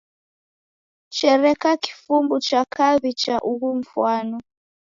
Chereka kifumbu cha kaw'i cha ugho mfwano.